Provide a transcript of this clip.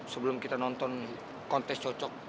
sebelum kita nonton kontes cocok